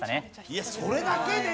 いやそれだけで？